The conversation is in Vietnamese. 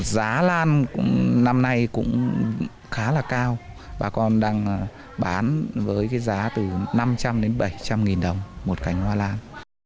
giá lan năm nay cũng khá là cao bà con đang bán với cái giá từ năm trăm linh đến bảy trăm linh nghìn đồng một cành hoa lan